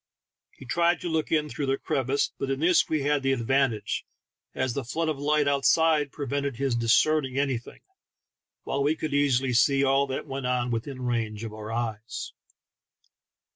He tried to look in through the crevice, but in this we. had the advan tage, as the flood of light outside prevented his discerning anything, while we could easily see all that went on within range of our eyes.